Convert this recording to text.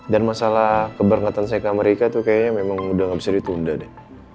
dan masalah keberangkatan seka amerika tuh kayaknya memang udah nggak bisa ditunda deh